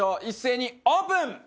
一斉にオープン！